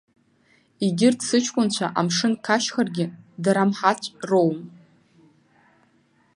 Егьырҭ сыҷкәынцәа амшын қашьхаргьы, дара мҳаҵә роуам.